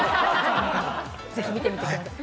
ぜひ見てください。